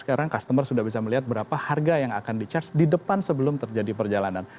sekarang customer sudah bisa melihat berapa harga yang akan di charge di depan sebelum terjadi perjalanan